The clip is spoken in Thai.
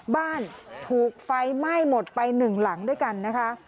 บ้านถูกไฟไหม้หมดไปหนึ่งหลังด้วยกันนะคะ